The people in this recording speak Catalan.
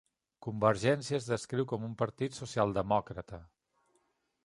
Convergencia es descriu com un partit socialdemòcrata.